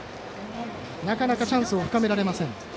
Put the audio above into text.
なかなかチャンスが広げられません。